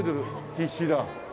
必死だ。